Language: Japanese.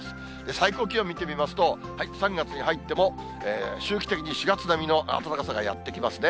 最高気温見てみますと、３月に入っても、周期的に４月並みの暖かさがやってきますね。